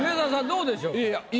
どうでしょう？